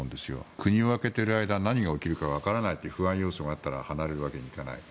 国を空けている間何が起きるかわからないという不安要素があったら離れるわけにいかない。